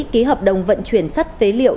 ký hợp đồng vận chuyển sắt phế liệu